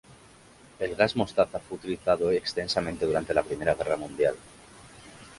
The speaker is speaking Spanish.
El Gas mostaza fue utilizado extensamente durante la Primera Guerra mundial.